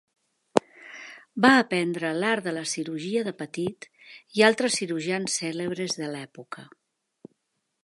Va aprendre l'art de la cirurgia de Petit i altres cirurgians cèlebres de l'època.